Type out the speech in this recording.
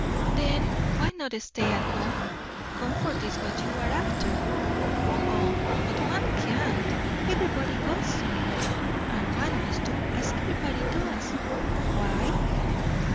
"Then why not stay at home? Comfort is what you are after." "O, but one can't! Everybody goes somewhere; and one must do as everybody does." "Why?"